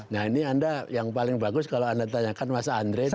nah ini anda yang paling bagus kalau anda tanyakan mas andre